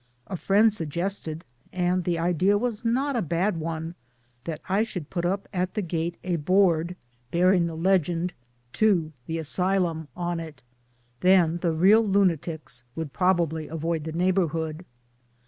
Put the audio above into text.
A friend suggested (and the idea was not a bad one) that I should put up at the gate a board bearing the 167 ;i<58 MY DAYS AND DREAMS legend " To the Asylum " on it. Then the real lunatics would probably avoid the neighborhood.